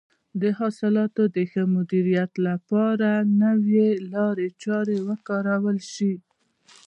د حاصلاتو د ښه مدیریت لپاره نوې لارې چارې وکارول شي.